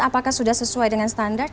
apakah sudah sesuai dengan standar